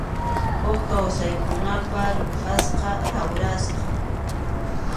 Huk kawsaykunapa ruphasqan, rawrasqan.